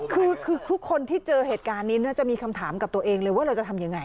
คือทุกคนที่เจอเหตุการณ์นี้จะมีคำถามกับตัวเองเลยว่าเราจะทำยังไง